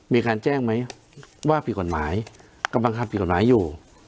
มีการแจ้งไหมว่าผิดกฎหมายกำลังทำผิดกฎหมายอยู่